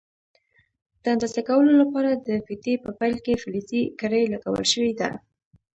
د اندازه کولو لپاره د فیتې په پیل کې فلزي کړۍ لګول شوې ده.